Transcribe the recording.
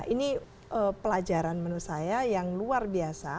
ini pelajaran menurut saya yang luar biasa